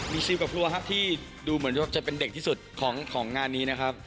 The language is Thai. มีซิลกับครัวครับที่ดูเหมือนจะเป็นเด็กที่สุดของงานนี้นะครับ